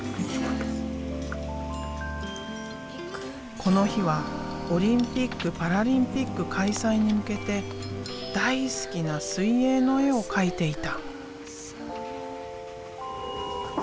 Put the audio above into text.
この日はオリンピックパラリンピック開催に向けて大好きな水泳の絵を描いていた。